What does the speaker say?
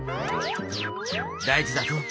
大事だぞ。